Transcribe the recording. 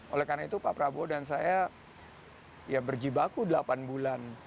oleh karena itu pak prabowo dan saya ya berjibaku delapan bulan